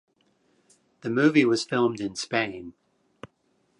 The movie was filmed in Spain.